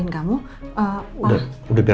kamu udah biar